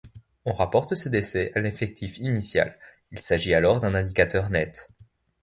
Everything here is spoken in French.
On rapporte ces décès à l'effectif initial, il s'agit alors d'un indicateur net.